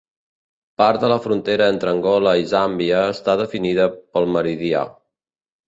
Part de la frontera entre Angola i Zàmbia està definida pel meridià.